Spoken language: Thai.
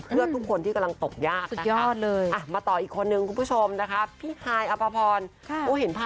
เพื่อทุกคนที่กำลังตกยากนะ